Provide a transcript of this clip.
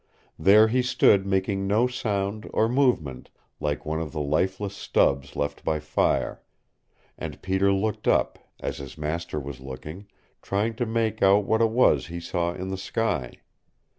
There he stood making no sound or movement, like one of the lifeless stubs left by fire; and Peter looked up, as his master was looking, trying to make out what it was he saw in the sky.